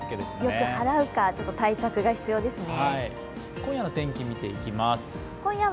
よく払うか、対策が必要ですね。